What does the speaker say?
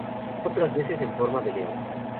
Otras veces en forma de león.